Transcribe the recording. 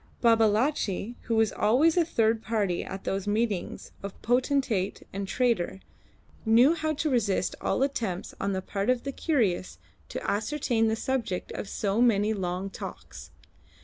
Babalatchi, who was always a third party at those meetings of potentate and trader, knew how to resist all attempts on the part of the curious to ascertain the subject of so many long talks.